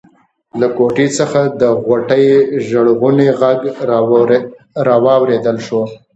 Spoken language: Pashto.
له کوټې څخه د غوټۍ ژړغونی غږ واورېدل شو.